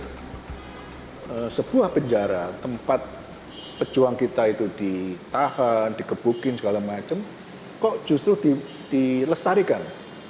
karena sebuah penjara tempat pejuang kita itu ditahan dikebukin segala macam kok justru dilestarikan